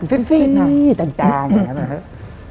สิ้นต่างอย่างนั้นนะครับ